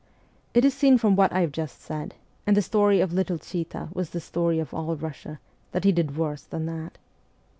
It is seen from what I have just said and the story of little Chita was the story of all Kussia that he did worse than that.